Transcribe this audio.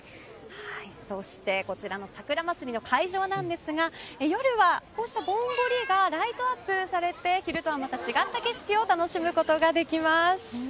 そして、こちらのさくら祭の会場ですが夜は、ぼんぼりがライトアップされて昼とはまた違った景色を楽しむことができます。